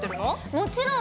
もちろん！